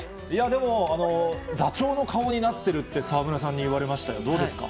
でも、座長の顔になってるって沢村さんに言われましたよ、どうですか？